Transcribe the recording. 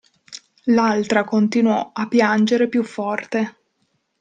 L'altra continuò a piangere più forte.